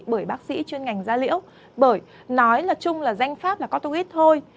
bởi bác sĩ chuyên ngành da liễu bởi nói là chung là danh pháp là corticoid thôi